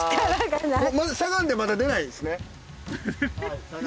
しゃがんでまだ出ないですね？